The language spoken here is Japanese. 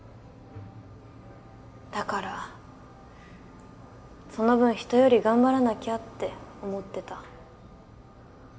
だからその分人より頑張らなきゃって思ってた。